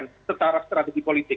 untuk cara strategi politik